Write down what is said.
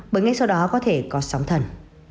bởi ngay sau đó có thể có sóng thần